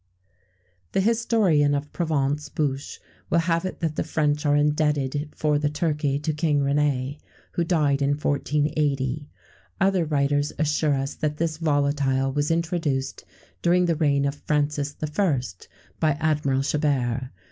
[XVII 113] The historian of Provence, Bouche, will have it that the French are indebted for the turkey to King René, who died in 1480. Other writers assure us that this volatile was introduced during the reign of Francis I. by Admiral Chabert.